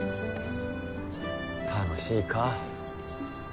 楽しいか。